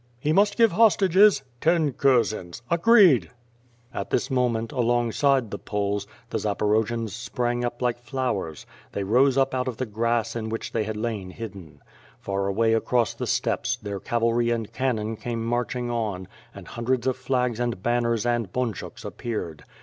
"He must give hostages." "Ten kurzens." "Agreed." At this moment, along side the Poles, the Zaporojians sprang up like flowers; they rose up out of the grass in which they had lain hidden. Far away across the steppes, their cavalry and cannon came marching on, and hundreds of flags and banners and bunchuks appeared.